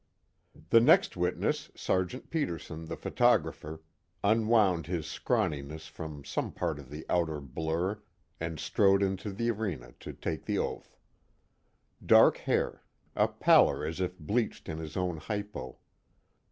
_ The next witness, Sergeant Peterson the photographer, unwound his scrawniness from some part of the outer blur and strode into the arena to take the oath. Dark hair, a pallor as if bleached in his own hypo.